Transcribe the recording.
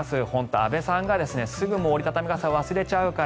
安部さんがすぐ折り畳み傘を忘れちゃうから。